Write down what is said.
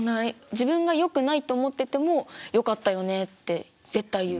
自分がよくないと思っててもよかったよねって絶対言う。